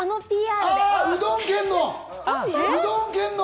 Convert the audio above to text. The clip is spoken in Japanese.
うどん県の？